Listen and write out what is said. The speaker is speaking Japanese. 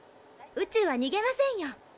宇宙はにげませんよ。